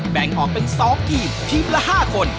แบ่งออกเป็น๒ทีมทีมละ๕คน